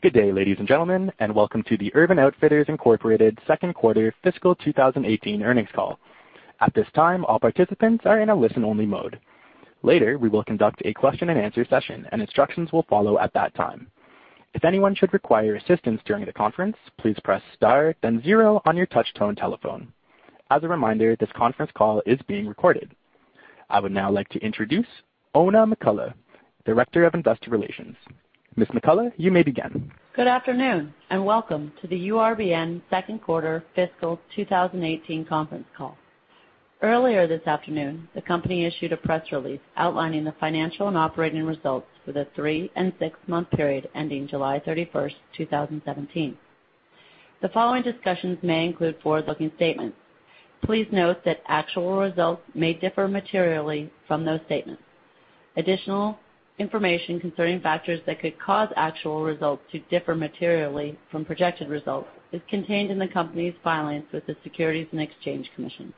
Good day, ladies and gentlemen, and welcome to the Urban Outfitters, Inc. second quarter fiscal 2018 earnings call. At this time, all participants are in a listen-only mode. Later, we will conduct a question and answer session, and instructions will follow at that time. If anyone should require assistance during the conference, please press Star, then zero on your touchtone telephone. As a reminder, this conference call is being recorded. I would now like to introduce Oona McCullough, Director of Investor Relations. Ms. McCullough, you may begin. Good afternoon, and welcome to the URBN second quarter fiscal 2018 conference call. Earlier this afternoon, the company issued a press release outlining the financial and operating results for the three and six-month period ending July 31st, 2017. The following discussions may include forward-looking statements. Please note that actual results may differ materially from those statements. Additional information concerning factors that could cause actual results to differ materially from projected results is contained in the company's filings with the Securities and Exchange Commission.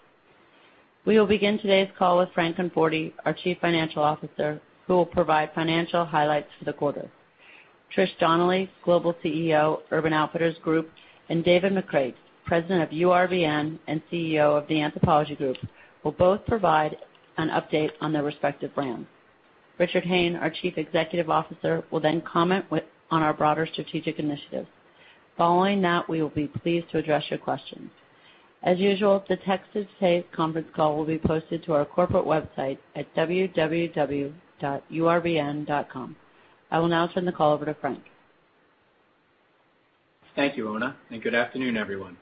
We will begin today's call with Frank Conforti, our Chief Financial Officer, who will provide financial highlights for the quarter. Trish Donnelly, Global CEO, Urban Outfitters Group, and David McCreight, President of URBN and CEO of the Anthropologie Group, will both provide an update on their respective brands. Richard Hayne, our Chief Executive Officer, will then comment on our broader strategic initiative. Following that, we will be pleased to address your questions. As usual, the text of today's conference call will be posted to our corporate website at www.urbn.com. I will now turn the call over to Frank. Thank you, Oona, and good afternoon, everyone.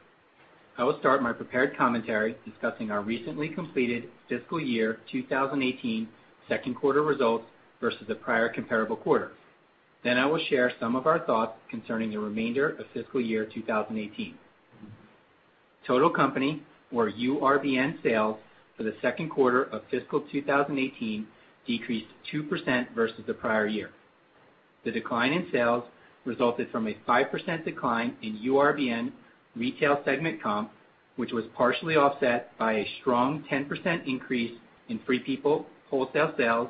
I will start my prepared commentary discussing our recently completed fiscal year 2018 second quarter results versus the prior comparable quarter. I will share some of our thoughts concerning the remainder of fiscal year 2018. Total company or URBN sales for the second quarter of fiscal 2018 decreased 2% versus the prior year. The decline in sales resulted from a 5% decline in URBN Retail segment comp, which was partially offset by a strong 10% increase in Free People wholesale sales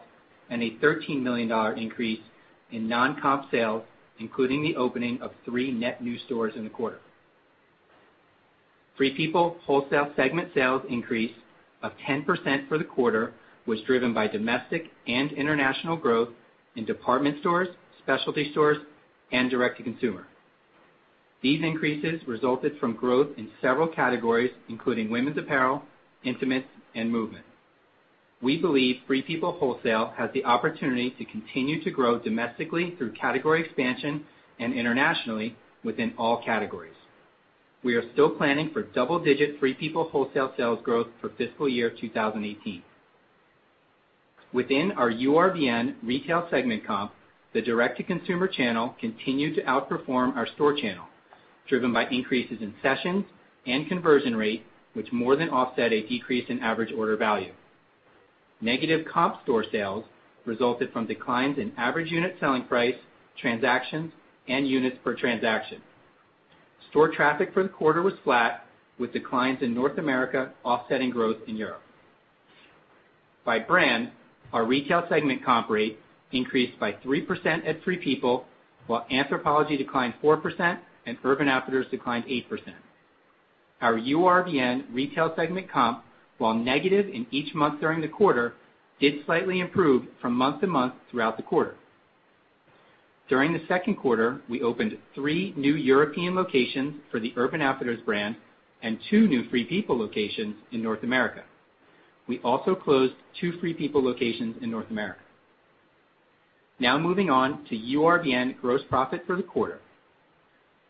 and a $13 million increase in non-comp sales, including the opening of three net new stores in the quarter. Free People wholesale segment sales increase of 10% for the quarter was driven by domestic and international growth in department stores, specialty stores, and direct-to-consumer. These increases resulted from growth in several categories, including women's apparel, intimates, and movement. We believe Free People Wholesale has the opportunity to continue to grow domestically through category expansion and internationally within all categories. We are still planning for double-digit Free People wholesale sales growth for fiscal year 2018. Within our URBN Retail segment comp, the direct-to-consumer channel continued to outperform our store channel, driven by increases in sessions and conversion rate, which more than offset a decrease in average order value. Negative comp store sales resulted from declines in average unit selling price, transactions, and units per transaction. Store traffic for the quarter was flat, with declines in North America offsetting growth in Europe. By brand, our retail segment comp rate increased by 3% at Free People, while Anthropologie declined 4%, and Urban Outfitters declined 8%. Our URBN Retail segment comp, while negative in each month during the quarter, did slightly improve from month to month throughout the quarter. During the second quarter, we opened three new European locations for the Urban Outfitters brand and two new Free People locations in North America. We also closed two Free People locations in North America. Now moving on to URBN gross profit for the quarter.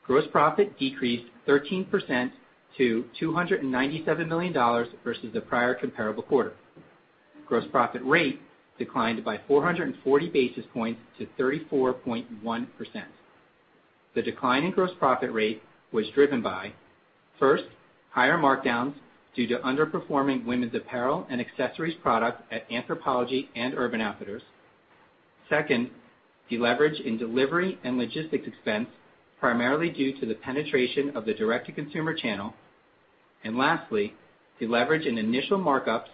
Gross profit decreased 13% to $297 million versus the prior comparable quarter. Gross profit rate declined by 440 basis points to 34.1%. The decline in gross profit rate was driven by, first, higher markdowns due to underperforming women's apparel and accessories product at Anthropologie and Urban Outfitters. Second, deleverage in delivery and logistics expense, primarily due to the penetration of the direct-to-consumer channel. Lastly, deleverage in initial markups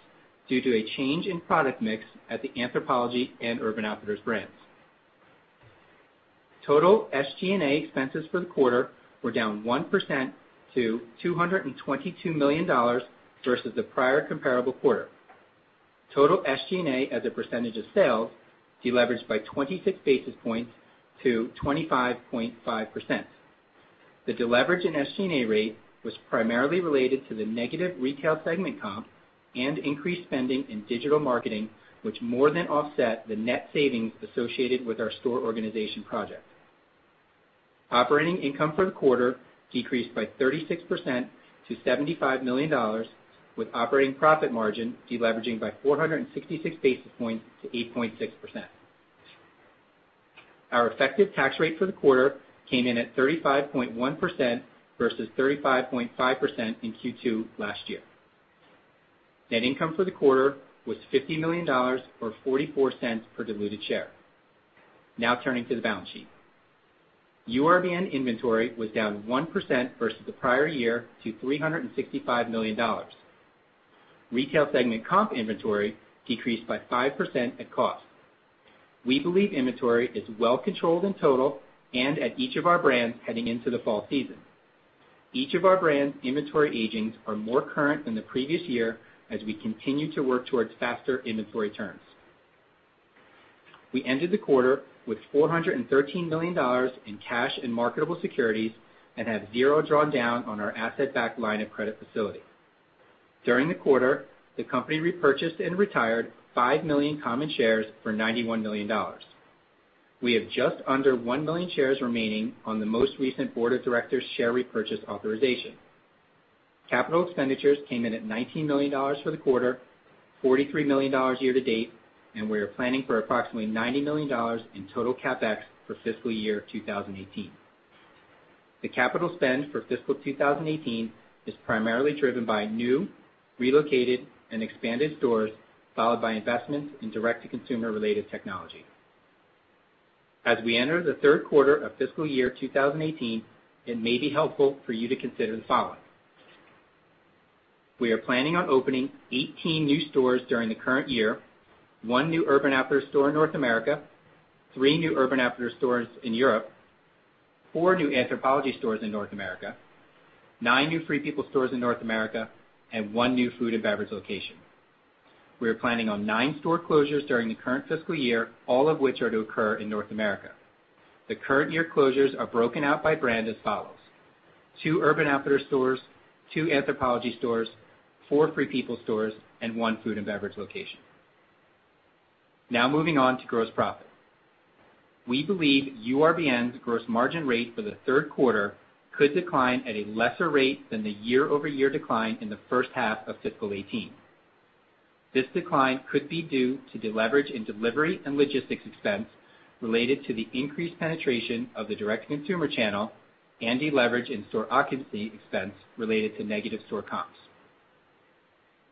due to a change in product mix at the Anthropologie and Urban Outfitters brands. Total SG&A expenses for the quarter were down 1% to $222 million versus the prior comparable quarter. Total SG&A as a percentage of sales deleveraged by 26 basis points to 25.5%. The deleverage in SG&A rate was primarily related to the negative retail segment comp and increased spending in digital marketing, which more than offset the net savings associated with our store organization project. Operating income for the quarter decreased by 36% to $75 million, with operating profit margin deleveraging by 466 basis points to 8.6%. Our effective tax rate for the quarter came in at 35.1% versus 35.5% in Q2 last year. Net income for the quarter was $50 million, or $0.44 per diluted share. Now turning to the balance sheet. URBN inventory was down 1% versus the prior year to $365 million. Retail segment comp inventory decreased by 5% at cost. We believe inventory is well controlled in total and at each of our brands heading into the fall season. Each of our brands' inventory agings are more current than the previous year as we continue to work towards faster inventory turns. We ended the quarter with $413 million in cash and marketable securities and have zero drawn down on our asset-backed line of credit facility. During the quarter, the company repurchased and retired 5 million common shares for $91 million. We have just under 1 million shares remaining on the most recent Board of Directors share repurchase authorization. Capital expenditures came in at $19 million for the quarter, $43 million year-to-date, and we are planning for approximately $90 million in total CapEx for fiscal year 2018. The capital spend for fiscal 2018 is primarily driven by new, relocated, and expanded stores, followed by investments in direct-to-consumer related technology. As we enter the third quarter of fiscal year 2018, it may be helpful for you to consider the following. We are planning on opening 18 new stores during the current year, one new Urban Outfitters store in North America, three new Urban Outfitters stores in Europe, four new Anthropologie stores in North America, nine new Free People stores in North America, and one new food and beverage location. We are planning on nine store closures during the current fiscal year, all of which are to occur in North America. The current year closures are broken out by brand as follows: two Urban Outfitters stores, two Anthropologie stores, four Free People stores, and one food and beverage location. Now moving on to gross profit. We believe URBN's gross margin rate for the third quarter could decline at a lesser rate than the year-over-year decline in the first half of fiscal 2018. This decline could be due to deleverage in delivery and logistics expense related to the increased penetration of the direct-to-consumer channel and deleverage in store occupancy expense related to negative store comps.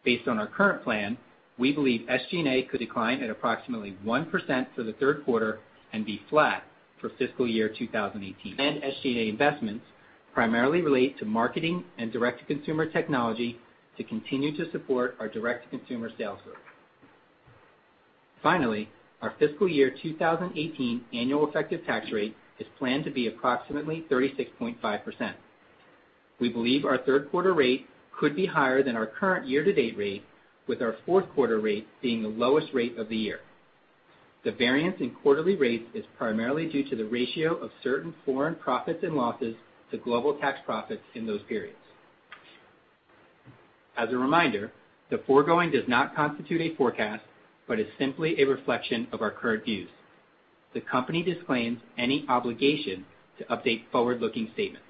Based on our current plan, we believe SG&A could decline at approximately 1% for the third quarter and be flat for fiscal year 2018. SG&A investments primarily relate to marketing and direct-to-consumer technology to continue to support our direct-to-consumer sales growth. Finally, our fiscal year 2018 annual effective tax rate is planned to be approximately 36.5%. We believe our third quarter rate could be higher than our current year-to-date rate, with our fourth quarter rate being the lowest rate of the year. The variance in quarterly rates is primarily due to the ratio of certain foreign profits and losses to global tax profits in those periods. As a reminder, the foregoing does not constitute a forecast, but is simply a reflection of our current views. The company disclaims any obligation to update forward-looking statements.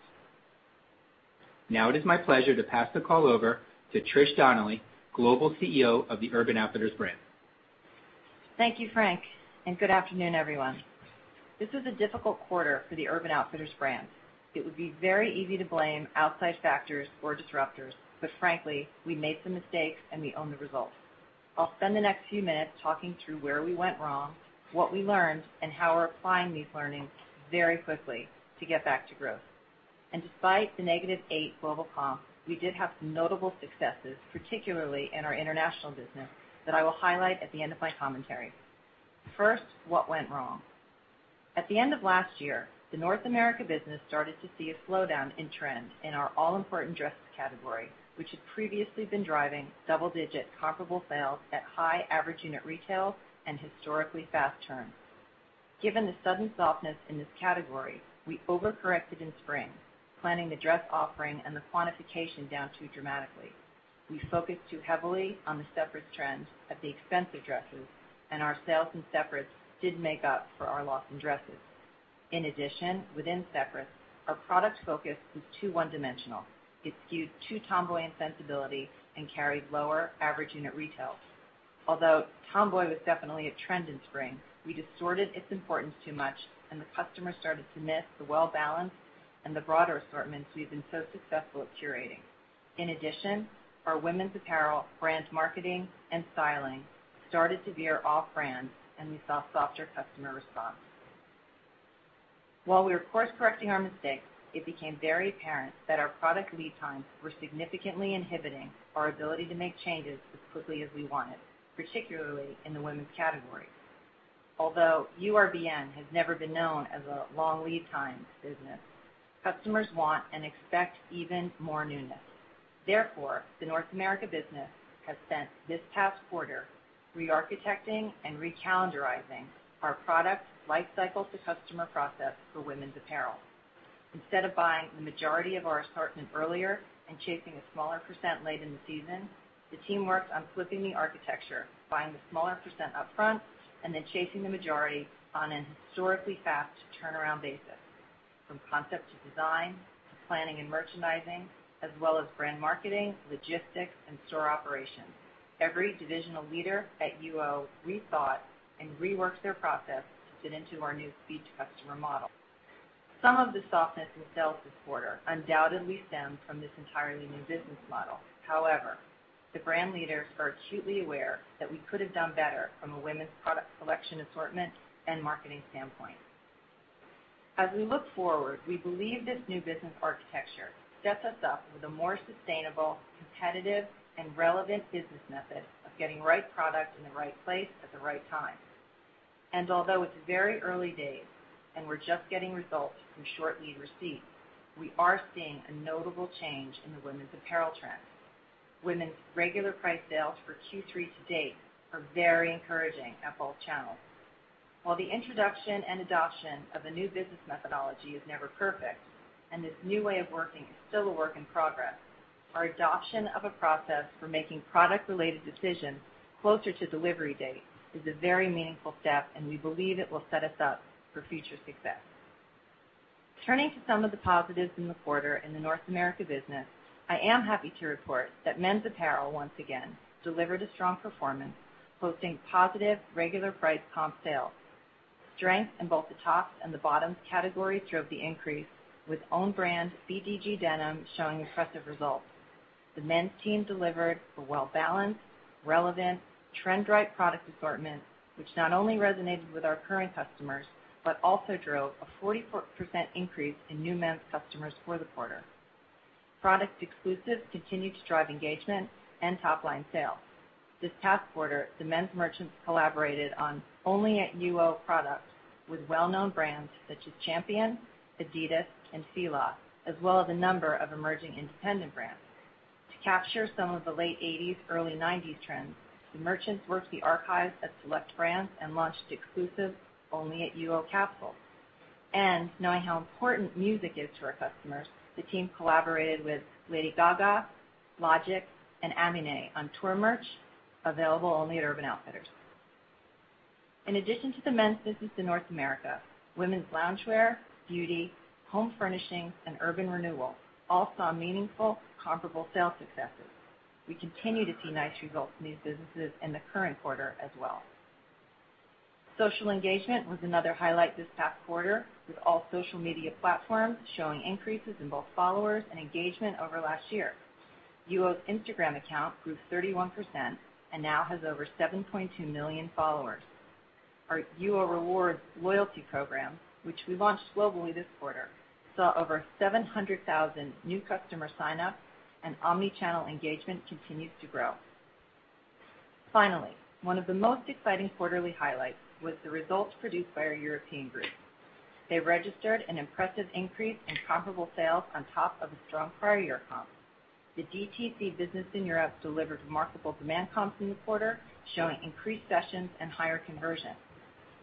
Now it is my pleasure to pass the call over to Trish Donnelly, Global CEO of the Urban Outfitters brand. Thank you, Frank, and good afternoon, everyone. This was a difficult quarter for the Urban Outfitters brand. It would be very easy to blame outside factors or disruptors, but frankly, we made some mistakes and we own the results. I'll spend the next few minutes talking through where we went wrong, what we learned, and how we're applying these learnings very quickly to get back to growth. Despite the negative 8 global comps, we did have some notable successes, particularly in our international business, that I will highlight at the end of my commentary. First, what went wrong. At the end of last year, the North America business started to see a slowdown in trend in our all-important dresses category, which had previously been driving double-digit comparable sales at high average unit retail and historically fast turns. Given the sudden softness in this category, we overcorrected in spring, planning the dress offering and the quantification down too dramatically. We focused too heavily on the separates trend at the expense of dresses, and our sales in separates didn't make up for our loss in dresses. In addition, within separates, our product focus was too one-dimensional. It skewed too tomboy in sensibility and carried lower average unit retails. Although tomboy was definitely a trend in spring, we distorted its importance too much, and the customer started to miss the well-balanced and the broader assortments we've been so successful at curating. In addition, our women's apparel brand marketing and styling started to veer off-brand, and we saw softer customer response. While we were course-correcting our mistakes, it became very apparent that our product lead times were significantly inhibiting our ability to make changes as quickly as we wanted, particularly in the women's category. Although URBN has never been known as a long lead times business, customers want and expect even more newness. The North America business has spent this past quarter re-architecting and re-calendarizing our product life cycle to customer process for women's apparel. Instead of buying the majority of our assortment earlier and chasing a smaller percent late in the season, the team worked on flipping the architecture, buying the smaller percent upfront, and then chasing the majority on an historically fast turnaround basis. From concept to design, to planning and merchandising, as well as brand marketing, logistics, and store operations, every divisional leader at UO rethought and reworked their process to fit into our new speed-to-customer model. Some of the softness in sales this quarter undoubtedly stemmed from this entirely new business model. The brand leaders are acutely aware that we could have done better from a women's product collection assortment and marketing standpoint. As we look forward, we believe this new business architecture sets us up with a more sustainable, competitive, and relevant business method of getting the right product in the right place at the right time. Although it's very early days and we're just getting results from short lead receipts, we are seeing a notable change in the women's apparel trends. Women's regular price sales for Q3 to date are very encouraging at both channels. While the introduction and adoption of a new business methodology is never perfect, and this new way of working is still a work in progress, our adoption of a process for making product-related decisions closer to delivery date is a very meaningful step, and we believe it will set us up for future success. Turning to some of the positives in the quarter in the North America business, I am happy to report that men's apparel, once again, delivered a strong performance, posting positive regular price comp sales. Strength in both the tops and the bottoms categories drove the increase, with own brand BDG denim showing impressive results. The men's team delivered a well-balanced, relevant, trend-right product assortment, which not only resonated with our current customers, but also drove a 44% increase in new men's customers for the quarter. Product exclusives continue to drive engagement and top-line sales. This past quarter, the men's merchants collaborated on Only at UO products with well-known brands such as Champion, Adidas, and Fila, as well as a number of emerging independent brands. To capture some of the late '80s, early '90s trends, the merchants worked the archives of select brands and launched exclusive Only at UO capsules. Knowing how important music is to our customers, the team collaborated with Lady Gaga, Logic, and Aminé on tour merch available only at Urban Outfitters. In addition to the men's business in North America, women's loungewear, beauty, home furnishings, and Urban Renewal all saw meaningful comparable sales successes. We continue to see nice results in these businesses in the current quarter as well. Social engagement was another highlight this past quarter, with all social media platforms showing increases in both followers and engagement over last year. UO's Instagram account grew 31% and now has over 7.2 million followers. Our UO Rewards loyalty program, which we launched globally this quarter, saw over 700,000 new customer sign-ups. Omnichannel engagement continues to grow. One of the most exciting quarterly highlights was the results produced by our European group. They registered an impressive increase in comparable sales on top of a strong prior year comp. The DTC business in Europe delivered remarkable demand comps in the quarter, showing increased sessions and higher conversion.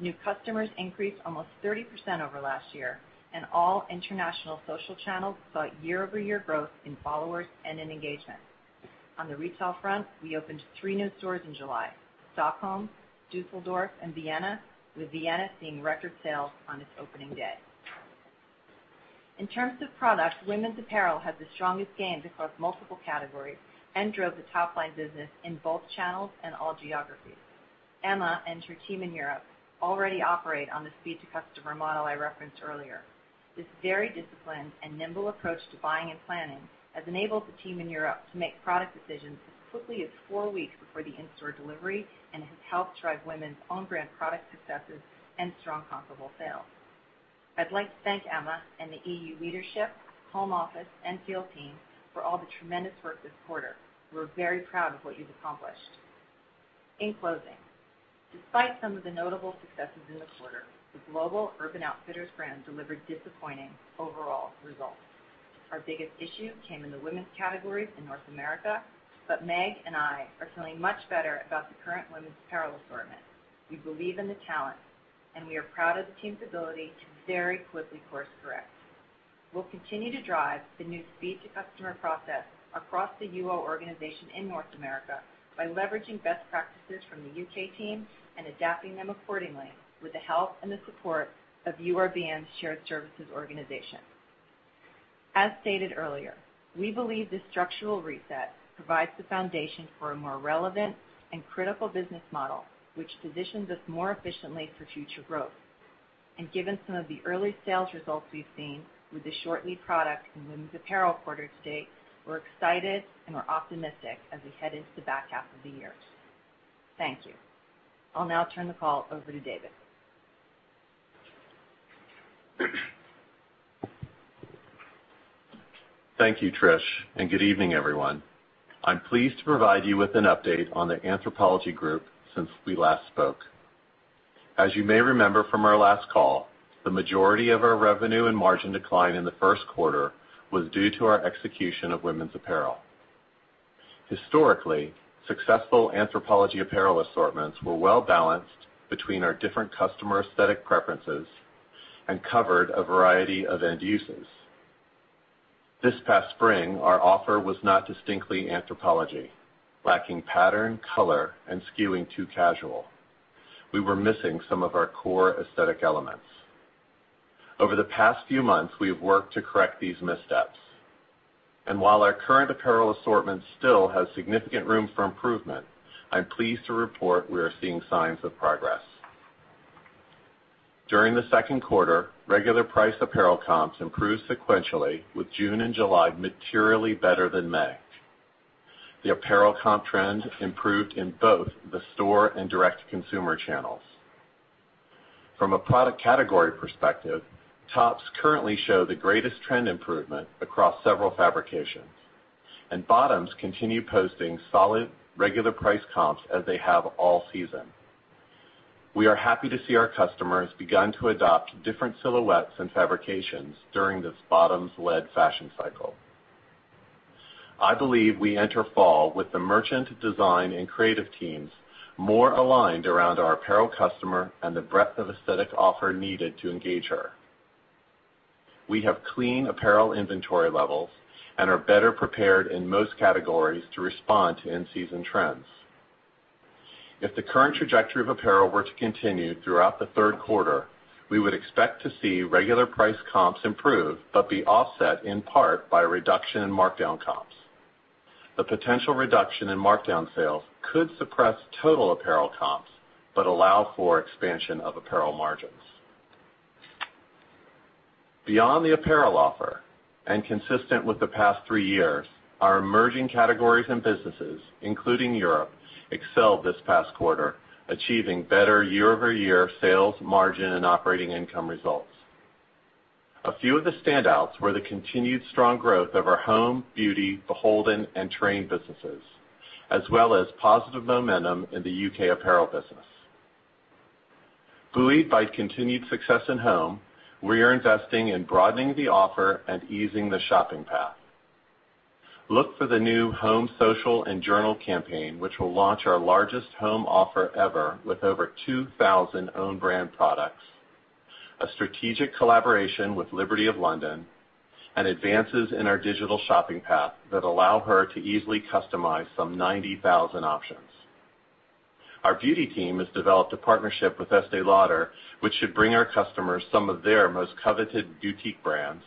New customers increased almost 30% over last year, and all international social channels saw year-over-year growth in followers and in engagement. On the retail front, we opened three new stores in July: Stockholm, Düsseldorf, and Vienna, with Vienna seeing record sales on its opening day. In terms of products, women's apparel had the strongest gains across multiple categories and drove the top-line business in both channels and all geographies. Emma and her team in Europe already operate on the speed-to-customer model I referenced earlier. This very disciplined and nimble approach to buying and planning has enabled the team in Europe to make product decisions as quickly as four weeks before the in-store delivery and has helped drive women's own brand product successes and strong comparable sales. I'd like to thank Emma and the EU leadership, home office, and field team for all the tremendous work this quarter. We're very proud of what you've accomplished. In closing, despite some of the notable successes in the quarter, the global Urban Outfitters brand delivered disappointing overall results. Our biggest issue came in the women's categories in North America. Meg and I are feeling much better about the current women's apparel assortment. We believe in the talent. We are proud of the team's ability to very quickly course correct. We'll continue to drive the new speed-to-customer process across the UO organization in North America by leveraging best practices from the U.K. team and adapting them accordingly with the help and the support of URBN's shared services organization. As stated earlier, we believe this structural reset provides the foundation for a more relevant and critical business model, which positions us more efficiently for future growth. Given some of the early sales results we've seen with the short-lead product in women's apparel quarter to date, we're excited and we're optimistic as we head into the back half of the year. Thank you. I'll now turn the call over to David. Thank you, Trish, and good evening, everyone. I'm pleased to provide you with an update on the Anthropologie Group since we last spoke. As you may remember from our last call, the majority of our revenue and margin decline in the first quarter was due to our execution of women's apparel. Historically, successful Anthropologie apparel assortments were well-balanced between our different customer aesthetic preferences and covered a variety of end uses. This past spring, our offer was not distinctly Anthropologie, lacking pattern, color, and skewing too casual. We were missing some of our core aesthetic elements. Over the past few months, we have worked to correct these missteps, and while our current apparel assortment still has significant room for improvement, I'm pleased to report we are seeing signs of progress. During the second quarter, regular price apparel comps improved sequentially, with June and July materially better than May. The apparel comp trend improved in both the store and direct-to-consumer channels. From a product category perspective, tops currently show the greatest trend improvement across several fabrications. Bottoms continue posting solid regular price comps as they have all season. We are happy to see our customers begun to adopt different silhouettes and fabrications during this bottoms-led fashion cycle. I believe we enter fall with the merchant design and creative teams more aligned around our apparel customer and the breadth of aesthetic offer needed to engage her. We have clean apparel inventory levels and are better prepared in most categories to respond to in-season trends. If the current trajectory of apparel were to continue throughout the third quarter, we would expect to see regular price comps improve, but be offset in part by a reduction in markdown comps. The potential reduction in markdown sales could suppress total apparel comps but allow for expansion of apparel margins. Beyond the apparel offer, and consistent with the past three years, our emerging categories and businesses, including Europe, excelled this past quarter, achieving better year-over-year sales, margin, and operating income results. A few of the standouts were the continued strong growth of our home, beauty, BHLDN, and Terrain businesses, as well as positive momentum in the U.K. apparel business. Buoyed by continued success in home, we are investing in broadening the offer and easing the shopping path. Look for the new home, social, and journal campaign, which will launch our largest home offer ever with over 2,000 own brand products, a strategic collaboration with Liberty of London, and advances in our digital shopping path that allow her to easily customize some 90,000 options. Our beauty team has developed a partnership with Estée Lauder, which should bring our customers some of their most coveted boutique brands.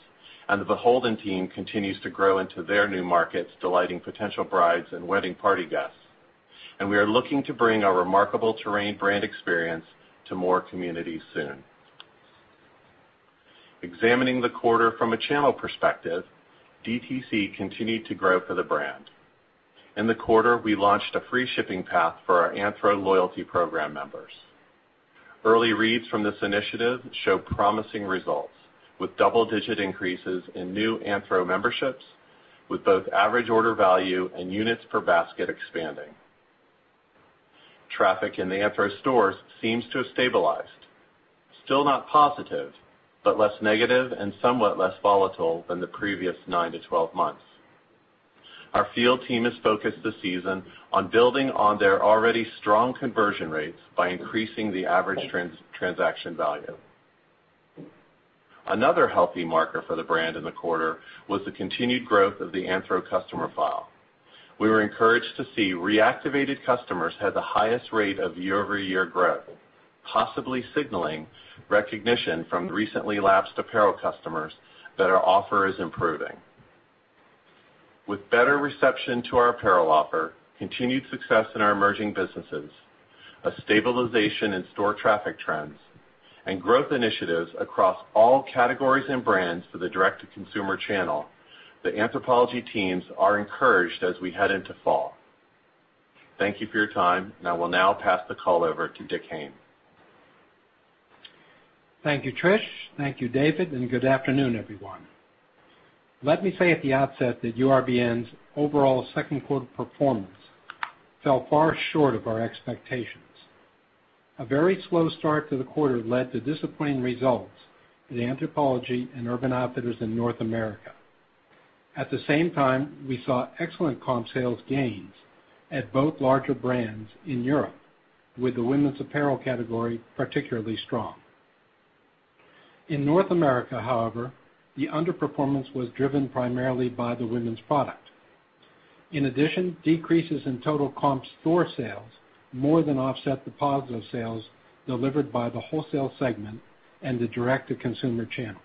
The BHLDN team continues to grow into their new markets, delighting potential brides and wedding party guests. We are looking to bring our remarkable Terrain brand experience to more communities soon. Examining the quarter from a channel perspective, DTC continued to grow for the brand. In the quarter, we launched a free shipping path for our Anthro loyalty program members. Early reads from this initiative show promising results, with double-digit increases in new Anthro memberships, with both average order value and units per basket expanding. Traffic in the Anthro stores seems to have stabilized. Still not positive, but less negative and somewhat less volatile than the previous nine to 12 months. Our field team is focused this season on building on their already strong conversion rates by increasing the average transaction value. Another healthy marker for the brand in the quarter was the continued growth of the Anthro customer file. We were encouraged to see reactivated customers had the highest rate of year-over-year growth, possibly signaling recognition from recently lapsed apparel customers that our offer is improving. With better reception to our apparel offer, continued success in our emerging businesses, a stabilization in store traffic trends, and growth initiatives across all categories and brands for the direct-to-consumer channel, the Anthropologie teams are encouraged as we head into fall. Thank you for your time, and I will now pass the call over to Dick Hayne. Thank you, Trish. Thank you, David, and good afternoon, everyone. Let me say at the outset that URBN's overall second quarter performance fell far short of our expectations. A very slow start to the quarter led to disappointing results at Anthropologie and Urban Outfitters in North America. At the same time, we saw excellent comp sales gains at both larger brands in Europe, with the women's apparel category particularly strong. In North America, however, the underperformance was driven primarily by the women's product. In addition, decreases in total comp store sales more than offset the positive sales delivered by the wholesale segment and the direct-to-consumer channel.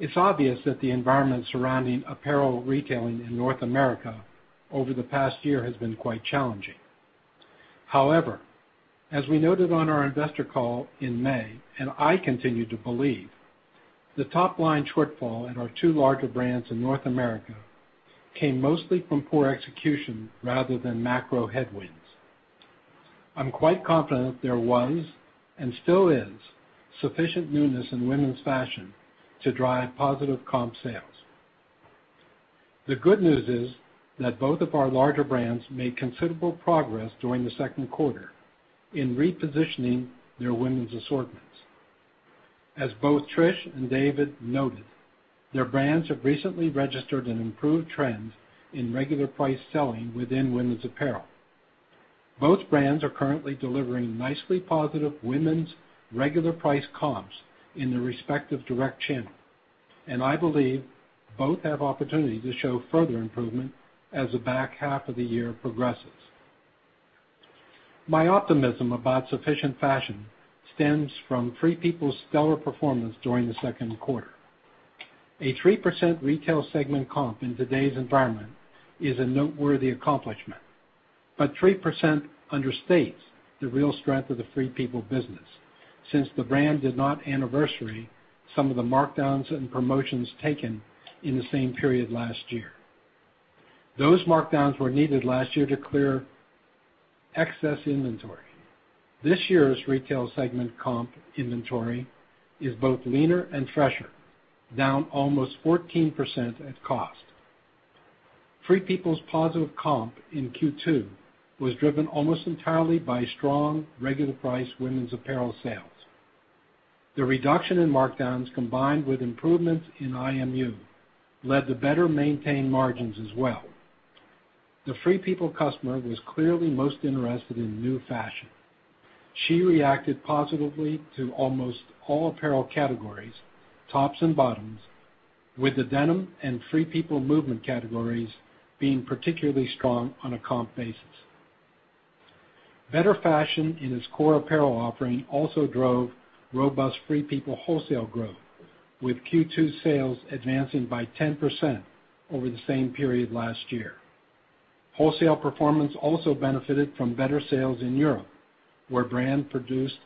It's obvious that the environment surrounding apparel retailing in North America over the past year has been quite challenging. As we noted on our investor call in May, and I continue to believe, the top-line shortfall in our two larger brands in North America came mostly from poor execution rather than macro headwinds. I'm quite confident there was and still is sufficient newness in women's fashion to drive positive comp sales. The good news is that both of our larger brands made considerable progress during the second quarter in repositioning their women's assortments. As both Trish and David noted, their brands have recently registered an improved trend in regular price selling within women's apparel. Both brands are currently delivering nicely positive women's regular price comps in their respective direct channel, and I believe both have opportunity to show further improvement as the back half of the year progresses. My optimism about sufficient fashion stems from Free People's stellar performance during the second quarter. A 3% retail segment comp in today's environment is a noteworthy accomplishment. 3% understates the real strength of the Free People business, since the brand did not anniversary some of the markdowns and promotions taken in the same period last year. Those markdowns were needed last year to clear excess inventory. This year's retail segment comp inventory is both leaner and fresher, down almost 14% at cost. Free People's positive comp in Q2 was driven almost entirely by strong regular price women's apparel sales. The reduction in markdowns, combined with improvements in IMU, led to better-maintained margins as well. The Free People customer was clearly most interested in new fashion. She reacted positively to almost all apparel categories, tops and bottoms, with the denim and Free People Movement categories being particularly strong on a comp basis. Better fashion in its core apparel offering also drove robust Free People wholesale growth, with Q2 sales advancing by 10% over the same period last year. Wholesale performance also benefited from better sales in Europe, where brand produced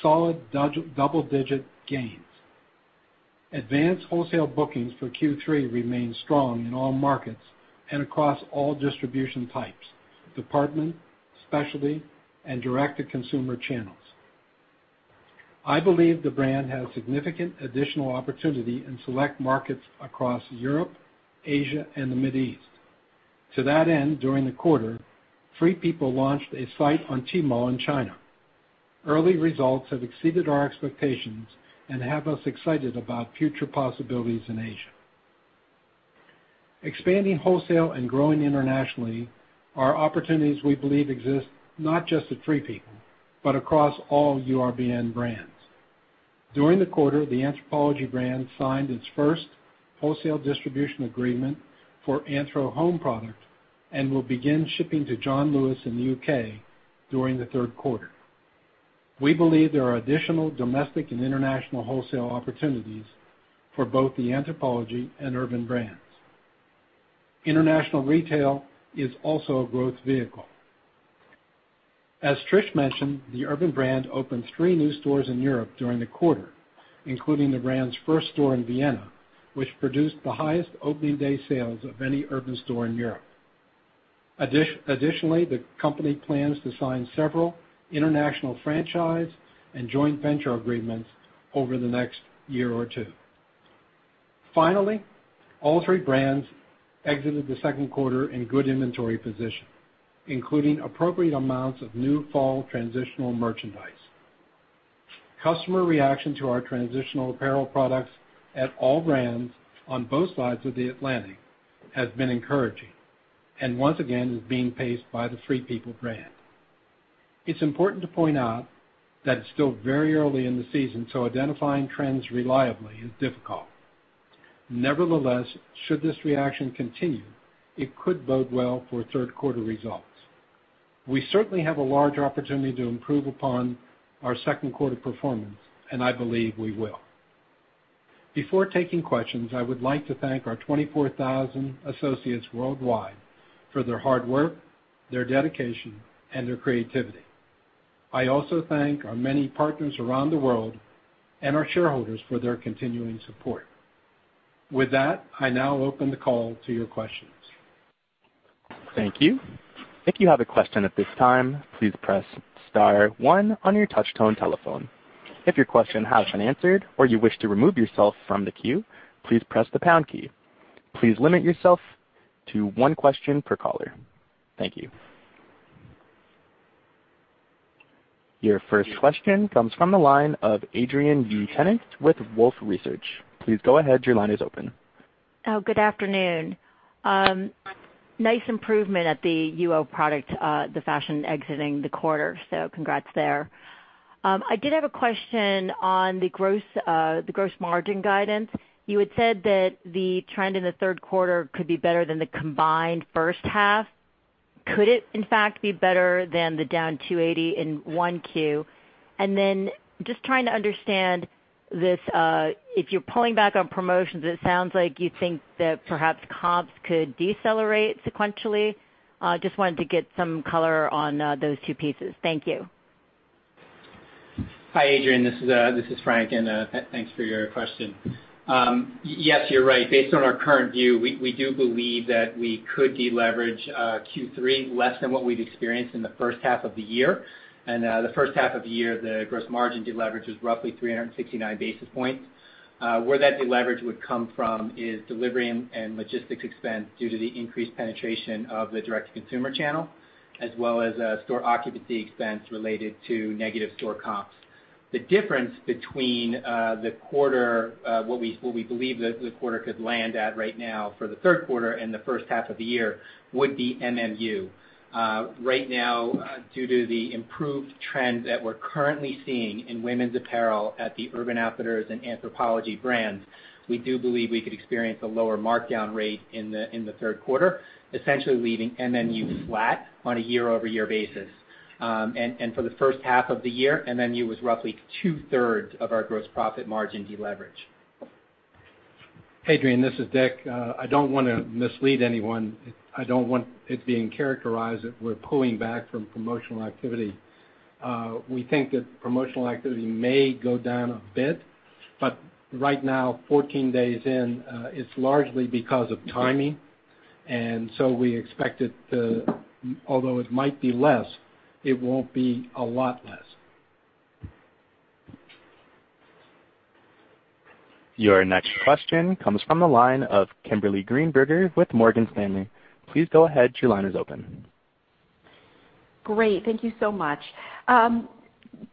solid double-digit gains. Advanced wholesale bookings for Q3 remain strong in all markets and across all distribution types: department, specialty, and direct-to-consumer channels. I believe the brand has significant additional opportunity in select markets across Europe, Asia, and the Middle East. To that end, during the quarter, Free People launched a site on Tmall in China. Early results have exceeded our expectations and have us excited about future possibilities in Asia. Expanding wholesale and growing internationally are opportunities we believe exist not just at Free People but across all URBN brands. During the quarter, the Anthropologie brand signed its first wholesale distribution agreement for Anthro home product and will begin shipping to John Lewis in the U.K. during the third quarter. We believe there are additional domestic and international wholesale opportunities for both the Anthropologie and Urban brands. International retail is also a growth vehicle. As Trish mentioned, the Urban brand opened three new stores in Europe during the quarter, including the brand's first store in Vienna, which produced the highest opening day sales of any Urban store in Europe. Additionally, the company plans to sign several international franchise and joint venture agreements over the next year or two. Finally, all three brands exited the second quarter in good inventory position, including appropriate amounts of new fall transitional merchandise. Customer reaction to our transitional apparel products at all brands on both sides of the Atlantic has been encouraging and once again is being paced by the Free People brand. It's important to point out that it's still very early in the season, identifying trends reliably is difficult. Nevertheless, should this reaction continue, it could bode well for third quarter results. We certainly have a large opportunity to improve upon our second quarter performance, I believe we will. Before taking questions, I would like to thank our 24,000 associates worldwide for their hard work, their dedication, and their creativity. I also thank our many partners around the world and our shareholders for their continuing support. With that, I now open the call to your questions. Thank you. If you have a question at this time, please press star one on your touchtone telephone. If your question has been answered or you wish to remove yourself from the queue, please press the pound key. Please limit yourself to one question per caller. Thank you. Your first question comes from the line of Adrienne Yih-Tennant with Wolfe Research. Please go ahead. Your line is open. Good afternoon. Nice improvement at the UO product, the fashion exiting the quarter. Congrats there. I did have a question on the gross margin guidance. You had said that the trend in the third quarter could be better than the combined first half. Could it, in fact, be better than the down 280 in one Q? Just trying to understand this, if you're pulling back on promotions, it sounds like you think that perhaps comps could decelerate sequentially. Just wanted to get some color on those two pieces. Thank you. Hi, Adrienne. This is Frank, thanks for your question. Yes, you're right. Based on our current view, we do believe that we could deleverage Q3 less than what we've experienced in the first half of the year. The first half of the year, the gross margin deleverage was roughly 369 basis points. Where that deleverage would come from is delivery and logistics expense due to the increased penetration of the direct-to-consumer channel, as well as store occupancy expense related to negative store comps. The difference between what we believe the quarter could land at right now for the third quarter and the first half of the year would be MMU. Right now, due to the improved trend that we're currently seeing in women's apparel at the Urban Outfitters and Anthropologie brands, we do believe we could experience a lower markdown rate in the third quarter, essentially leaving MMU flat on a year-over-year basis. For the first half of the year, MMU was roughly two-thirds of our gross profit margin deleverage. Adrienne, this is Dick. I don't want to mislead anyone. I don't want it being characterized that we're pulling back from promotional activity. We think that promotional activity may go down a bit, but right now, 14 days in, it's largely because of timing, we expect it to, although it might be less, it won't be a lot less. Your next question comes from the line of Kimberly Greenberger with Morgan Stanley. Please go ahead. Your line is open. Great. Thank you so much.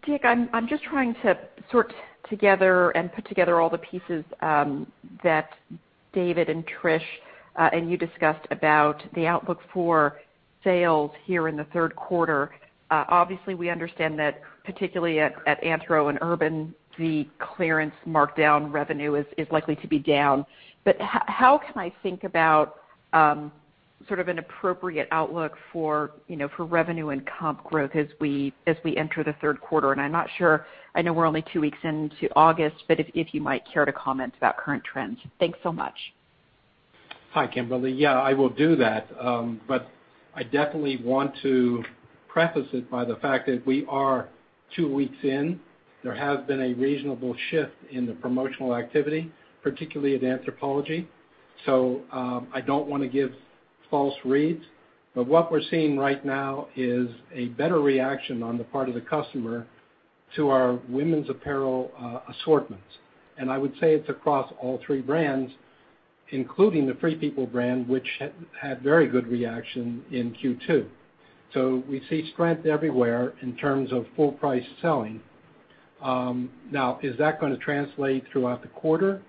Dick, I'm just trying to sort together and put together all the pieces that David and Trish, and you discussed about the outlook for sales here in the third quarter. Obviously, we understand that particularly at Anthro and Urban, the clearance markdown revenue is likely to be down. How can I think about sort of an appropriate outlook for revenue and comp growth as we enter the third quarter? I'm not sure, I know we're only two weeks into August, but if you might care to comment about current trends. Thanks so much. Hi, Kimberly. Yeah, I will do that. I definitely want to preface it by the fact that we are two weeks in. There has been a reasonable shift in the promotional activity, particularly at Anthropologie. I don't want to give false reads, but what we're seeing right now is a better reaction on the part of the customer to our women's apparel assortment. I would say it's across all three brands, including the Free People brand, which had very good reaction in Q2. We see strength everywhere in terms of full price selling. Is that going to translate throughout the quarter?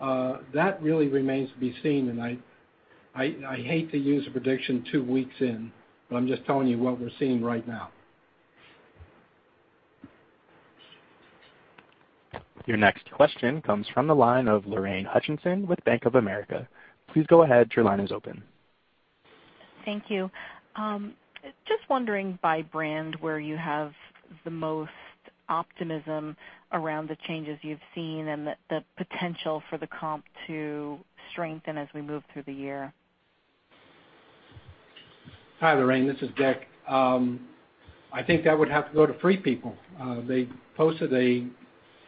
That really remains to be seen, and I hate to use a prediction two weeks in, but I'm just telling you what we're seeing right now. Your next question comes from the line of Lorraine Hutchinson with Bank of America. Please go ahead. Your line is open. Thank you. Just wondering by brand where you have the most optimism around the changes you've seen and the potential for the comp to strengthen as we move through the year. Hi, Lorraine. This is Dick. I think that would have to go to Free People. They posted a,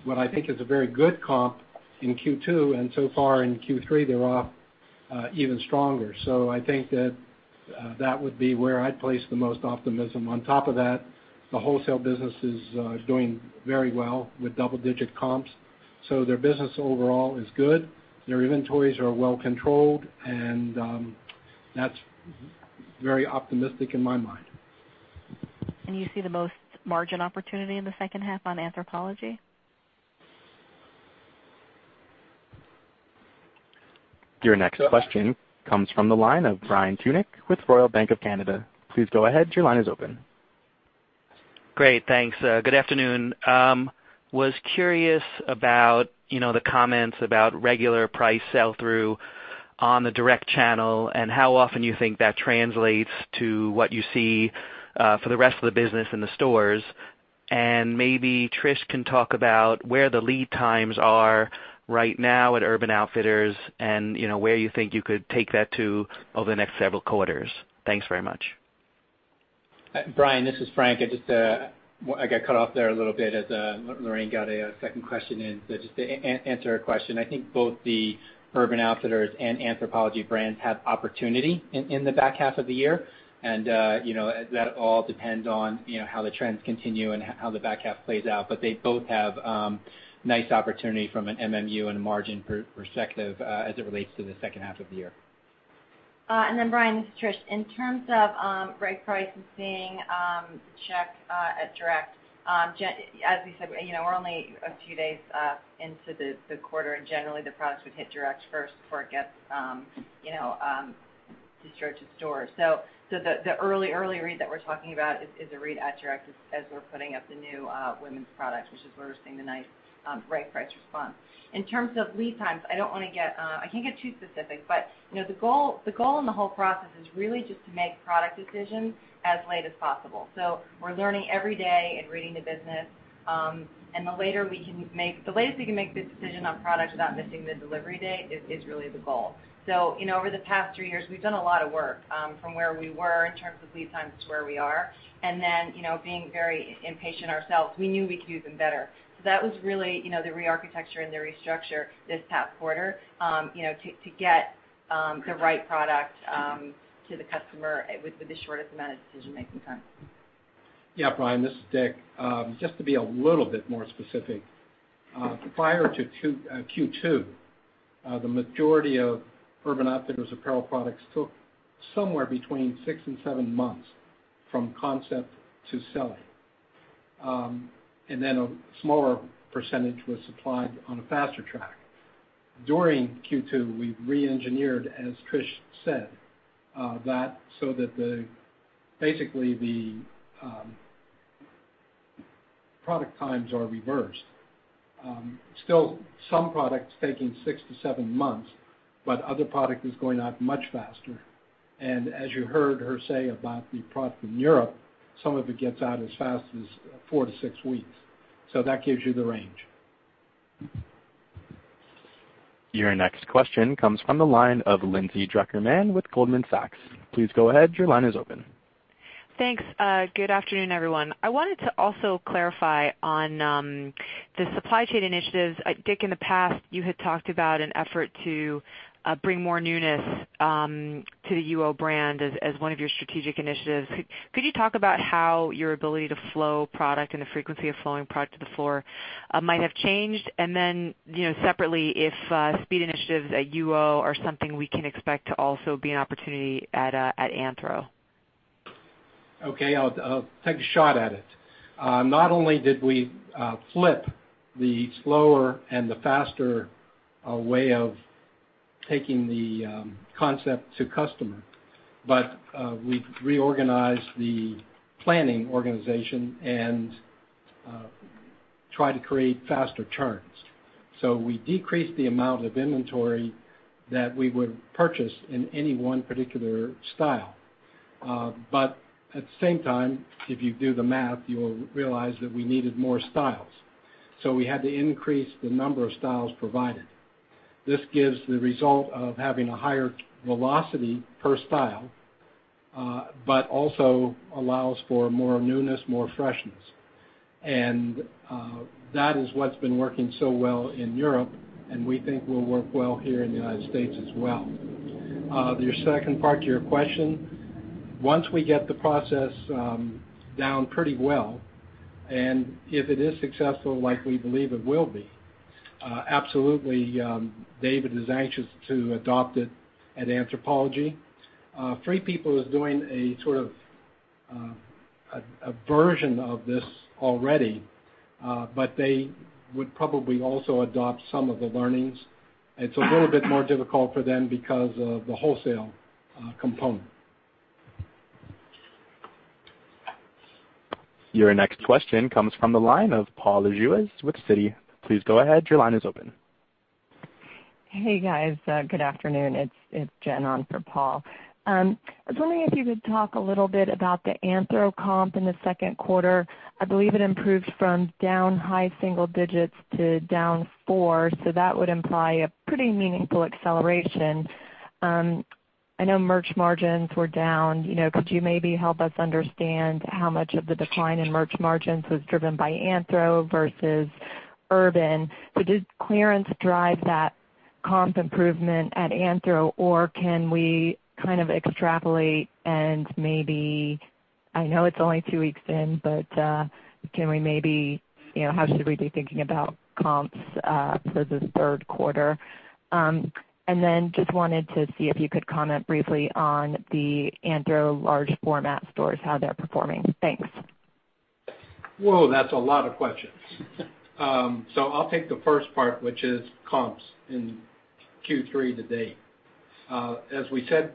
what I think is a very good comp in Q2, and so far in Q3, they're off even stronger. I think that would be where I'd place the most optimism. On top of that, the wholesale business is doing very well with double-digit comps. Their business overall is good. Their inventories are well controlled, and that's very optimistic in my mind. You see the most margin opportunity in the second half on Anthropologie? Your next question comes from the line of Brian Tunick with Royal Bank of Canada. Please go ahead. Your line is open. Great. Thanks. Good afternoon. Was curious about the comments about regular price sell-through on the direct channel and how often you think that translates to what you see for the rest of the business in the stores. Maybe Trish can talk about where the lead times are right now at Urban Outfitters and where you think you could take that to over the next several quarters. Thanks very much. Brian, this is Frank. I got cut off there a little bit as Lorraine got a second question in. Just to answer her question, I think both the Urban Outfitters and Anthropologie brands have opportunity in the back half of the year. That all depends on how the trends continue and how the back half plays out. They both have nice opportunity from an MMU and a margin perspective as it relates to the second half of the year. Brian, this is Trish. In terms of regular price and seeing check at direct. As we said, we're only a few days into the quarter, and generally the products would hit direct first before it gets distributed to stores. The early read that we're talking about is a read at direct as we're putting up the new women's products, which is where we're seeing the niceregular price response. In terms of lead times, I can't get too specific, but the goal in the whole process is really just to make product decisions as late as possible. We're learning every day and reading the business. The latest we can make the decision on product without missing the delivery date is really the goal. Over the past three years, we've done a lot of work from where we were in terms of lead times to where we are. Being very impatient ourselves, we knew we could do even better. That was really the rearchitecture and the restructure this past quarter, to get the right product to the customer with the shortest amount of decision-making time. Yeah, Brian, this is Dick. Just to be a little bit more specific. Prior to Q2, the majority of Urban Outfitters apparel products took somewhere between six and seven months from concept to selling. A smaller percentage was supplied on a faster track. During Q2, we reengineered, as Trish said, that so that basically the product times are reversed. Still some products taking six to seven months, but other product is going out much faster. As you heard her say about the product in Europe, some of it gets out as fast as four to six weeks. That gives you the range. Your next question comes from the line of Lindsay Drucker Mann with Goldman Sachs. Please go ahead. Your line is open. Thanks. Good afternoon, everyone. I wanted to also clarify on the supply chain initiatives. Dick, in the past, you had talked about an effort to bring more newness to the UO brand as one of your strategic initiatives. Could you talk about how your ability to flow product and the frequency of flowing product to the floor might have changed? Separately, if speed initiatives at UO are something we can expect to also be an opportunity at Anthro. Okay. I'll take a shot at it. Not only did we flip the slower and the faster way of taking the concept to customer, but we've reorganized the planning organization and tried to create faster turns. We decreased the amount of inventory that we would purchase in any one particular style. At the same time, if you do the math, you'll realize that we needed more styles. We had to increase the number of styles provided. This gives the result of having a higher velocity per style, but also allows for more newness, more freshness. That is what's been working so well in Europe, and we think will work well here in the United States as well. Your second part to your question, once we get the process down pretty well, and if it is successful like we believe it will be, absolutely, David is anxious to adopt it at Anthropologie. Free People is doing a version of this already. They would probably also adopt some of the learnings. It's a little bit more difficult for them because of the wholesale component. Your next question comes from the line of Paul Lejuez with Citi. Please go ahead. Your line is open. Hey, guys. Good afternoon. It's Jen on for Paul. I was wondering if you could talk a little bit about the Anthro comp in the second quarter. I believe it improved from down high single digits to down four, that would imply a pretty meaningful acceleration. I know merch margins were down. Could you maybe help us understand how much of the decline in merch margins was driven by Anthro versus Urban? Did clearance drive that comp improvement at Anthro, or can we kind of extrapolate and maybe, I know it's only two weeks in, but how should we be thinking about comps for the third quarter? And then just wanted to see if you could comment briefly on the Anthro large format stores, how they're performing. Thanks. Whoa, that's a lot of questions. I'll take the first part, which is comps in Q3 to date. As we said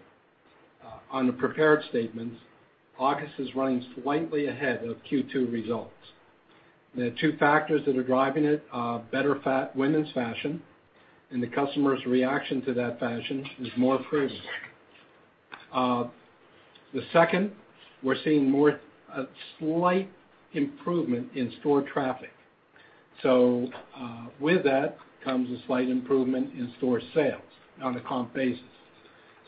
on the prepared statements, August is running slightly ahead of Q2 results. The two factors that are driving it are better women's fashion and the customer's reaction to that fashion is more premium. The second, we're seeing a slight improvement in store traffic. With that comes a slight improvement in store sales on a comp basis.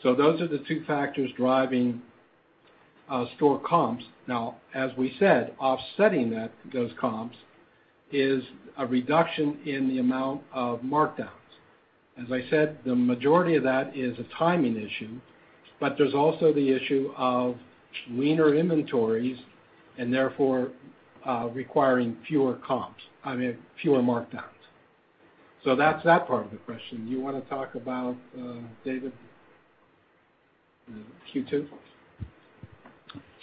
Those are the two factors driving store comps. Now, as we said, offsetting those comps is a reduction in the amount of markdowns. As I said, the majority of that is a timing issue, but there's also the issue of leaner inventories and therefore requiring fewer comps. I mean, fewer markdowns. That's that part of the question. You want to talk about, David, Q2?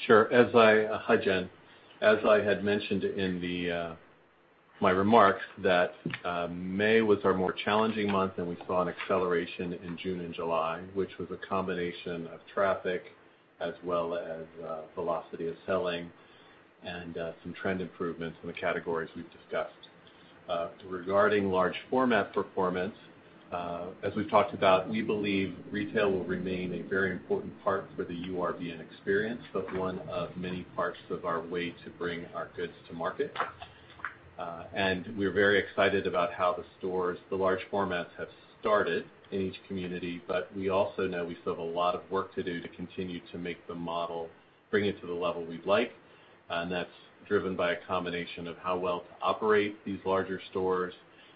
Sure. Hi, Jen. As I had mentioned in my remarks, that May was our more challenging month, and we saw an acceleration in June and July, which was a combination of traffic as well as velocity of selling and some trend improvements in the categories we've discussed. Regarding large format performance, as we've talked about, we believe retail will remain a very important part for the URBN experience, but one of many parts of our way to bring our goods to market. We're very excited about how the stores, the large formats, have started in each community. We also know we still have a lot of work to do to continue to make the model, bring it to the level we'd like. That's driven by a combination of how well to operate these larger stores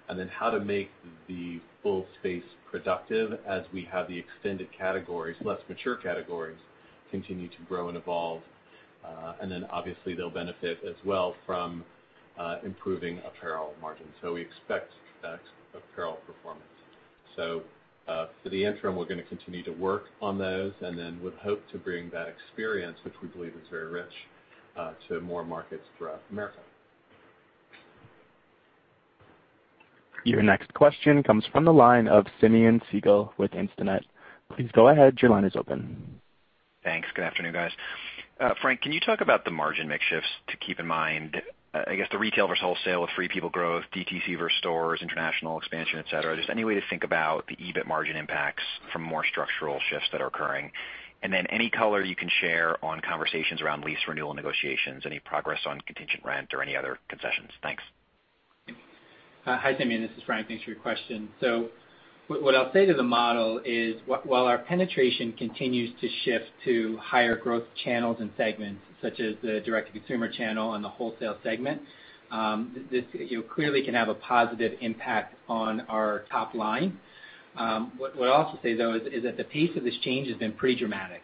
and how to make the full space productive as we have the extended categories, less mature categories, continue to grow and evolve. Obviously they'll benefit as well from improving apparel margins. We expect that apparel performance. For the interim, we're going to continue to work on those and would hope to bring that experience, which we believe is very rich, to more markets throughout America. Your next question comes from the line of Simeon Siegel with Instinet. Please go ahead. Your line is open. Thanks. Good afternoon, guys. Frank, can you talk about the margin mix shifts to keep in mind, I guess, the retail versus wholesale with Free People growth, DTC versus stores, international expansion, et cetera. Any way to think about the EBIT margin impacts from more structural shifts that are occurring. Any color you can share on conversations around lease renewal negotiations, any progress on contingent rent or any other concessions. Thanks. Hi, Simeon. This is Frank. Thanks for your question. What I'll say to the model is, while our penetration continues to shift to higher growth channels and segments, such as the direct-to-consumer channel and the wholesale segment, this clearly can have a positive impact on our top line. What I'll also say, though, is that the pace of this change has been pretty dramatic.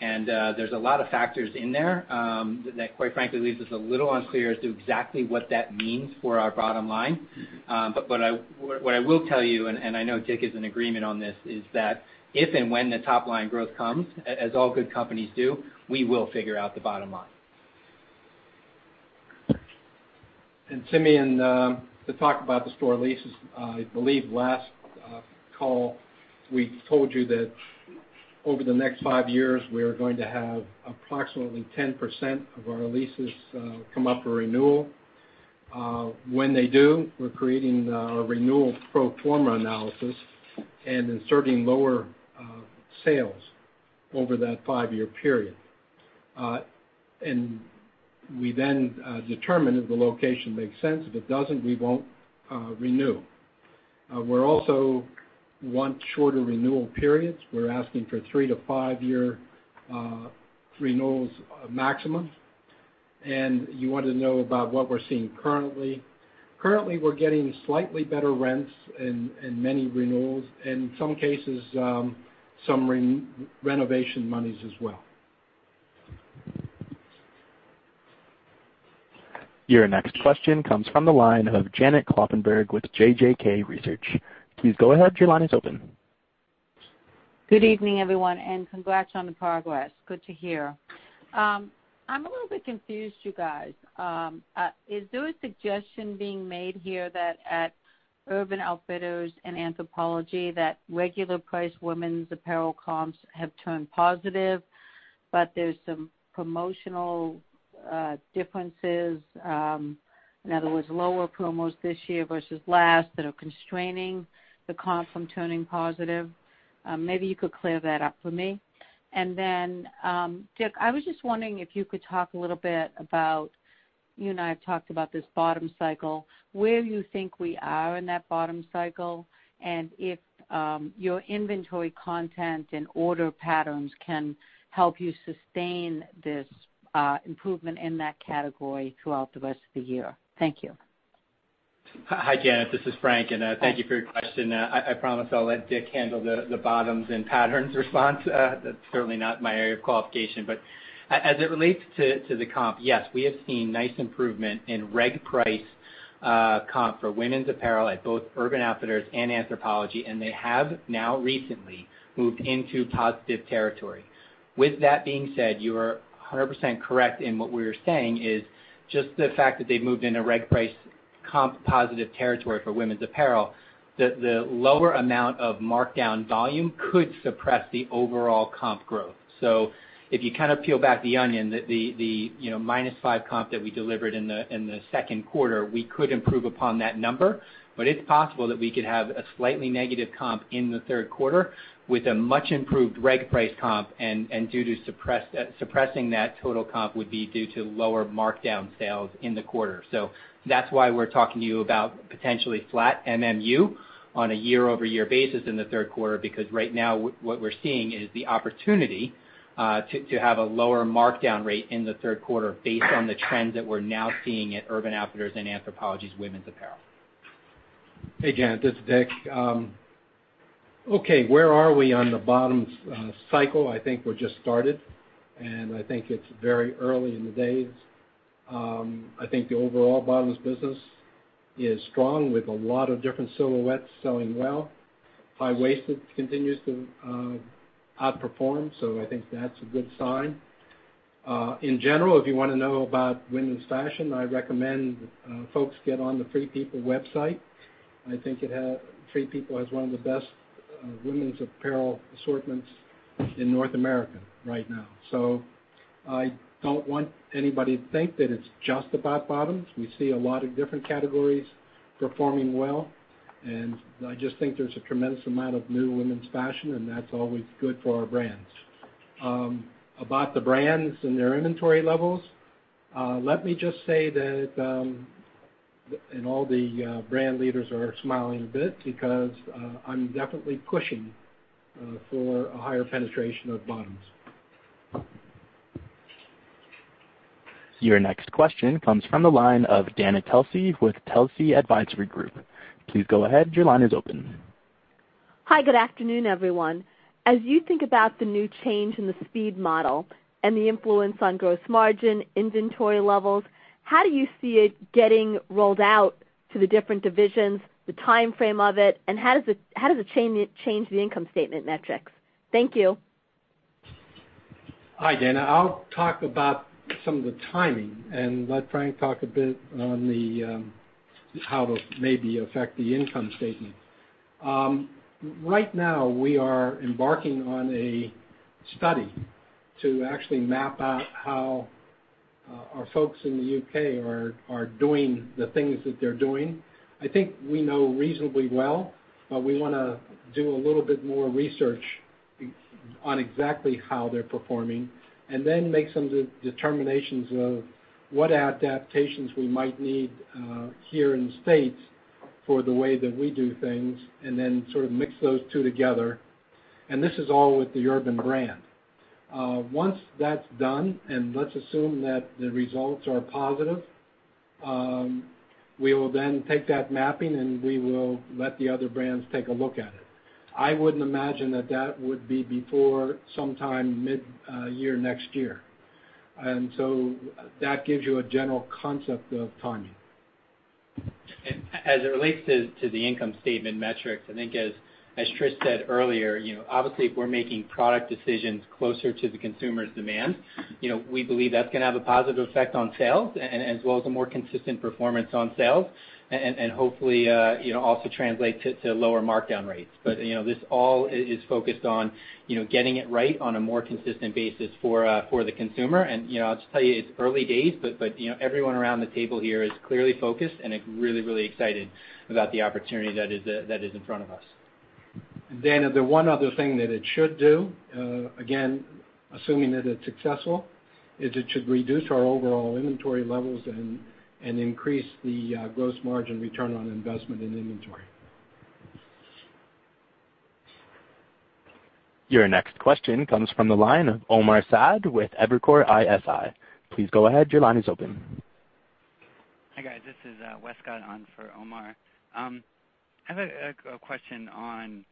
There's a lot of factors in there that, quite frankly, leaves us a little unclear as to exactly what that means for our bottom line. What I will tell you, and I know Dick is in agreement on this, is that if and when the top-line growth comes, as all good companies do, we will figure out the bottom line. Simeon, to talk about the store leases, I believe last call, we told you that over the next five years, we are going to have approximately 10% of our leases come up for renewal. When they do, we're creating a renewal pro forma analysis and inserting lower sales over that five-year period. We then determine if the location makes sense. If it doesn't, we won't renew. We also want shorter renewal periods. We're asking for three to five-year renewals maximum. You want to know about what we're seeing currently. Currently, we're getting slightly better rents in many renewals, in some cases, some renovation monies as well. Your next question comes from the line of Janet Kloppenburg with JJK Research. Please go ahead. Your line is open. Good evening, everyone, and congrats on the progress. Good to hear. I'm a little bit confused, you guys. Is there a suggestion being made here that at Urban Outfitters and Anthropologie that regular price women's apparel comps have turned positive, but there's some promotional differences, in other words, lower promos this year versus last, that are constraining the comp from turning positive? Maybe you could clear that up for me. Then, Dick, I was just wondering if you could talk a little bit about, you and I have talked about this bottom cycle, where you think we are in that bottom cycle, and if your inventory content and order patterns can help you sustain this improvement in that category throughout the rest of the year. Thank you. Hi, Janet. This is Frank, and thank you for your question. I promise I'll let Dick handle the bottoms and patterns response. That's certainly not my area of qualification. As it relates to the comp, yes, we have seen nice improvement in reg price comp for women's apparel at both Urban Outfitters and Anthropologie, and they have now recently moved into positive territory. With that being said, you are 100% correct in what we were saying is just the fact that they've moved into reg price comp positive territory for women's apparel, the lower amount of markdown volume could suppress the overall comp growth. If you kind of peel back the onion, the minus 5 comp that we delivered in the second quarter, we could improve upon that number, but it's possible that we could have a slightly negative comp in the third quarter with a much improved reg price comp, and due to suppressing that total comp would be due to lower markdown sales in the quarter. That's why we're talking to you about potentially flat MMU on a year-over-year basis in the third quarter because right now what we're seeing is the opportunity to have a lower markdown rate in the third quarter based on the trends that we're now seeing at Urban Outfitters and Anthropologie's women's apparel. Hey, Janet. This is Dick. Okay, where are we on the bottoms cycle? I think we're just started, and I think it's very early in the days. I think the overall bottoms business is strong with a lot of different silhouettes selling well. High-waisted continues to outperform, I think that's a good sign. In general, if you want to know about women's fashion, I recommend folks get on the Free People website. I think Free People has one of the best women's apparel assortments in North America right now. I don't want anybody to think that it's just about bottoms. We see a lot of different categories performing well, and I just think there's a tremendous amount of new women's fashion, and that's always good for our brands. About the brands and their inventory levels, let me just say that and all the brand leaders are smiling a bit because I'm definitely pushing for a higher penetration of bottoms. Your next question comes from the line of Dana Telsey with Telsey Advisory Group. Please go ahead. Your line is open. Hi. Good afternoon, everyone. As you think about the new change in the speed model and the influence on gross margin, inventory levels, how do you see it getting rolled out to the different divisions, the timeframe of it, and how does it change the income statement metrics? Thank you. Hi, Dana. I'll talk about some of the timing, and let Frank talk a bit on how they'll maybe affect the income statement. Right now, we are embarking on a study to actually map out how our folks in the U.K. are doing the things that they're doing. I think we know reasonably well, but we want to do a little bit more research On exactly how they're performing, then make some determinations of what adaptations we might need here in the States for the way that we do things, then sort of mix those two together. This is all with the Urban brand. Once that's done, let's assume that the results are positive, we will then take that mapping, and we will let the other brands take a look at it. I wouldn't imagine that that would be before sometime mid-year next year. That gives you a general concept of timing. As it relates to the income statement metrics, I think as Trish said earlier, obviously, if we're making product decisions closer to the consumer's demand, we believe that's going to have a positive effect on sales as well as a more consistent performance on sales. Hopefully, also translate to lower markdown rates. This all is focused on getting it right on a more consistent basis for the consumer. I'll just tell you, it's early days, but everyone around the table here is clearly focused and really excited about the opportunity that is in front of us. The one other thing that it should do, again, assuming that it's successful, is it should reduce our overall inventory levels and increase the gross margin return on investment in inventory. Your next question comes from the line of Omar Saad with Evercore ISI. Please go ahead. Your line is open. Hi, guys. This is Westcott on for Omar. I have a question on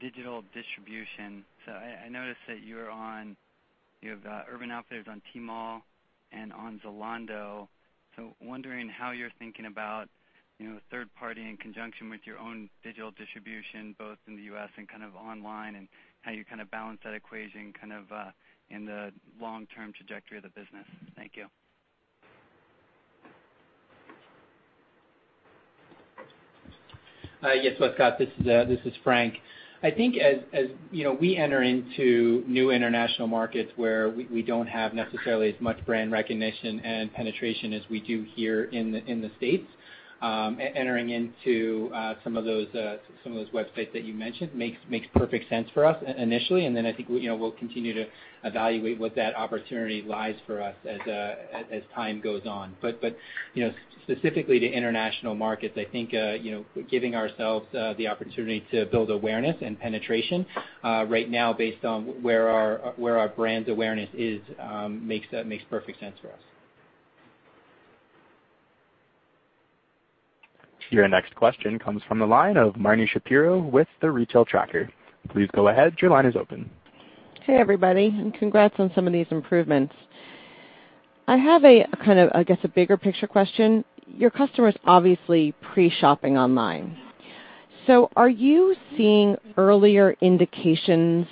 digital distribution. I noticed that you have Urban Outfitters on Tmall and on Zalando. Wondering how you're thinking about third party in conjunction with your own digital distribution, both in the U.S. and online, and how you balance that equation in the long-term trajectory of the business. Thank you. Yes, Westcott. This is Frank. I think as we enter into new international markets where we don't have necessarily as much brand recognition and penetration as we do here in the U.S. Entering into some of those websites that you mentioned makes perfect sense for us initially, and then I think we'll continue to evaluate what that opportunity lies for us as time goes on. Specifically to international markets, I think giving ourselves the opportunity to build awareness and penetration right now based on where our brand awareness is makes perfect sense for us. Your next question comes from the line of Marni Shapiro with The Retail Tracker. Please go ahead. Your line is open. Hey, everybody, congrats on some of these improvements. I have a, I guess, a bigger picture question. Your customer's obviously pre-shopping online. Are you seeing earlier indications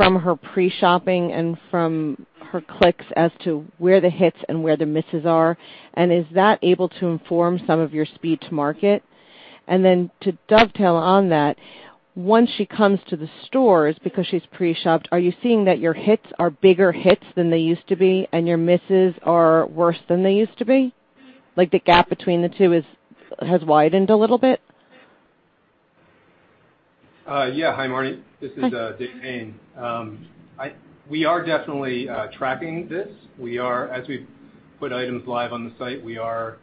from her pre-shopping and from her clicks as to where the hits and where the misses are? Is that able to inform some of your speed to market? To dovetail on that, once she comes to the stores because she's pre-shopped, are you seeing that your hits are bigger hits than they used to be and your misses are worse than they used to be? Like, the gap between the two has widened a little bit. Yeah. Hi, Marni. Hi. This is Dick Hayne. We are definitely tracking this. As we put items live on the site, we are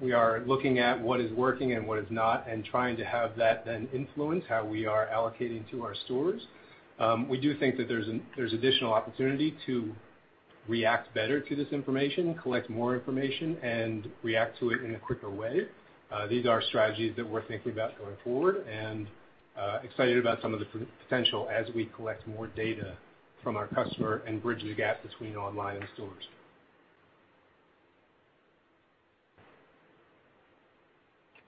looking at what is working and what is not, and trying to have that then influence how we are allocating to our stores. We do think that there's additional opportunity to react better to this information, collect more information, and react to it in a quicker way. These are strategies that we're thinking about going forward, and excited about some of the potential as we collect more data from our customer and bridge the gap between online and stores.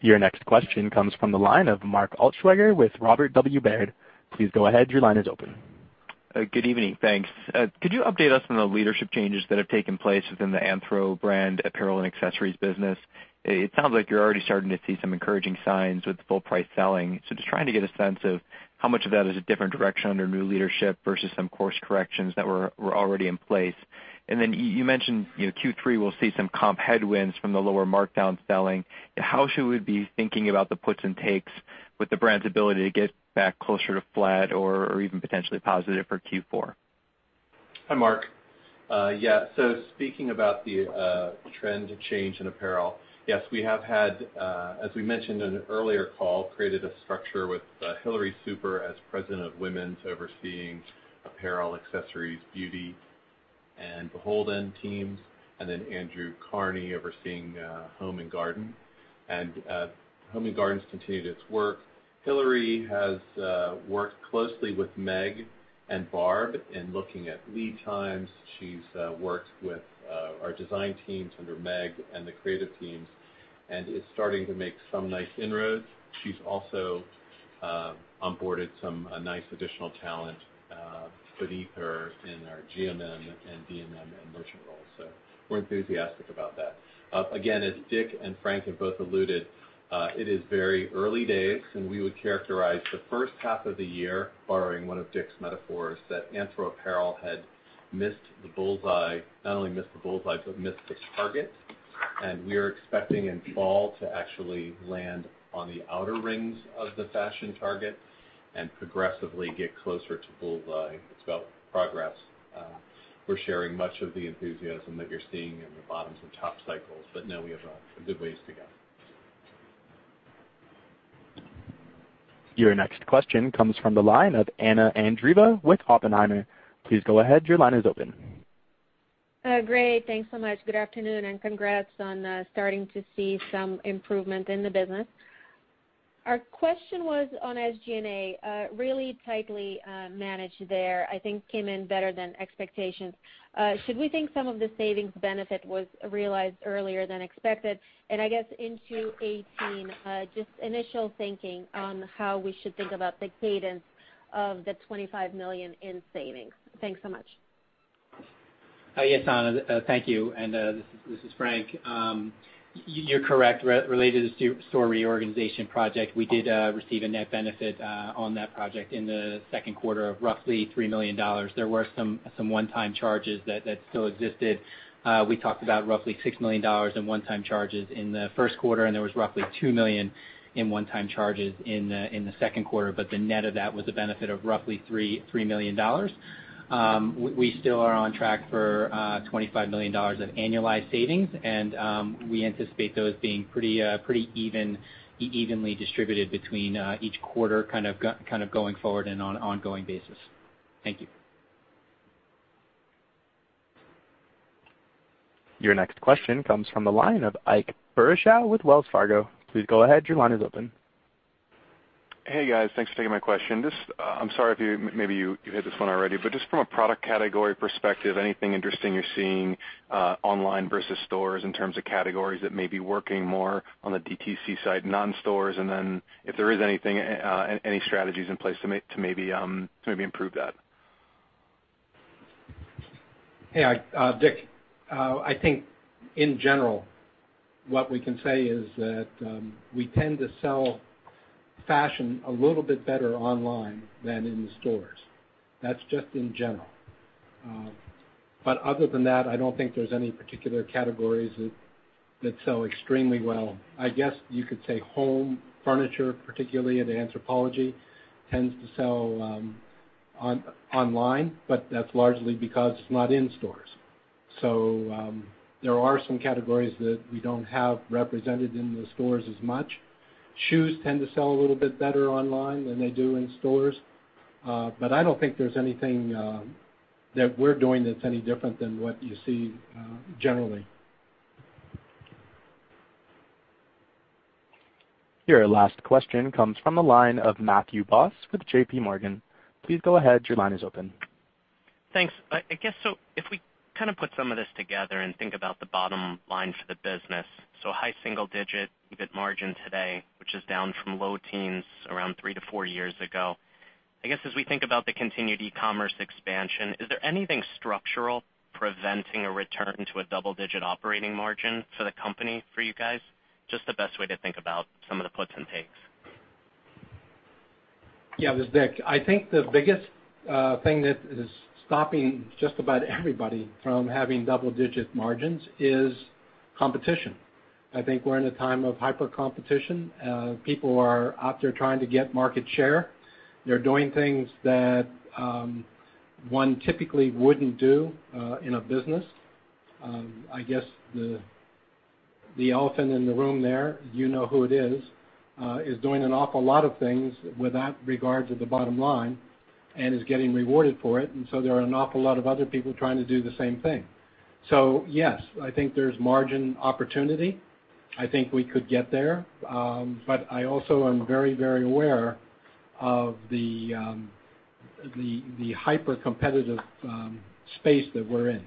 Your next question comes from the line of Mark Altschwager with Robert W. Baird. Please go ahead. Your line is open. Good evening. Thanks. Could you update us on the leadership changes that have taken place within the Anthro brand apparel and accessories business? It sounds like you're already starting to see some encouraging signs with full price selling. Just trying to get a sense of how much of that is a different direction under new leadership versus some course corrections that were already in place. You mentioned Q3 will see some comp headwinds from the lower markdown selling. How should we be thinking about the puts and takes with the brand's ability to get back closer to flat or even potentially positive for Q4? Hi, Mark. Yeah. Speaking about the trend change in apparel, yes, we have had, as we mentioned in an earlier call, created a structure with Hilary Super as President of Women's overseeing apparel, accessories, beauty, and BHLDN teams, and then Andrew Carney overseeing home and garden. Home and garden's continued its work. Hilary has worked closely with Meg and Barb in looking at lead times. She's worked with our design teams under Meg and the creative teams and is starting to make some nice inroads. She's also onboarded some nice additional talent beneath her in our GMM and DMM and merchant roles. We're enthusiastic about that. Again, as Dick and Frank have both alluded, it is very early days, and we would characterize the first half of the year, borrowing one of Dick's metaphors, that Anthro apparel had missed the bullseye. Not only missed the bullseye, but missed the target. We are expecting in fall to actually land on the outer rings of the fashion target and progressively get closer to bullseye. It's about progress. We're sharing much of the enthusiasm that you're seeing in the bottoms and tops cycles, no, we have a good ways to go. Your next question comes from the line of Anna Andreeva with Oppenheimer. Please go ahead. Your line is open. Great. Thanks so much. Good afternoon, congrats on starting to see some improvement in the business. Our question was on SG&A. Really tightly managed there. I think came in better than expectations. Should we think some of the savings benefit was realized earlier than expected? I guess into 2018, just initial thinking on how we should think about the cadence of the $25 million in savings. Thanks so much. Yes, Anna, thank you. This is Frank. You're correct. Related to store reorganization project, we did receive a net benefit on that project in the second quarter of roughly $3 million. There were some one-time charges that still existed. We talked about roughly $6 million in one-time charges in the first quarter, and there was roughly $2 million in one-time charges in the second quarter. The net of that was a benefit of roughly $3 million. We still are on track for $25 million of annualized savings, and we anticipate those being pretty evenly distributed between each quarter, going forward and on an ongoing basis. Thank you. Your next question comes from the line of Ike Boruchow with Wells Fargo. Please go ahead. Your line is open. Hey, guys. Thanks for taking my question. I'm sorry if maybe you hit this one already, just from a product category perspective, anything interesting you're seeing online versus stores in terms of categories that may be working more on the DTC side, non-stores. If there is any strategies in place to maybe improve that. Hey, Ike. Dick. I think in general, what we can say is that we tend to sell fashion a little bit better online than in the stores. That's just in general. Other than that, I don't think there's any particular categories that sell extremely well. I guess you could say home furniture, particularly at Anthropologie, tends to sell online, that's largely because it's not in stores. There are some categories that we don't have represented in the stores as much. Shoes tend to sell a little bit better online than they do in stores. I don't think there's anything that we're doing that's any different than what you see generally. Your last question comes from the line of Matthew Boss with J.P. Morgan. Please go ahead. Your line is open. Thanks. I guess, if we put some of this together and think about the bottom line for the business, high single-digit EBIT margin today, which is down from low teens around 3 to 4 years ago. I guess as we think about the continued e-commerce expansion, is there anything structural preventing a return to a double-digit operating margin for the company for you guys? Just the best way to think about some of the puts and takes. Yeah. This is Dick. I think the biggest thing that is stopping just about everybody from having double-digit margins is competition. I think we're in a time of hyper competition. People are out there trying to get market share. They're doing things that one typically wouldn't do in a business. I guess the elephant in the room there, you know who it is doing an awful lot of things without regard to the bottom line and is getting rewarded for it. There are an awful lot of other people trying to do the same thing. Yes, I think there's margin opportunity. I think we could get there. I also am very aware of the hyper-competitive space that we're in.